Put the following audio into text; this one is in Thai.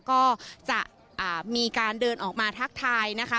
ก็จะมีการเดินออกมาทักทายนะคะ